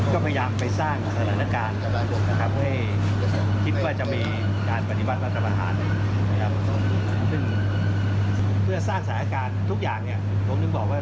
คิดอะไรแปลกนะครับแล้วก็ลงไปทำ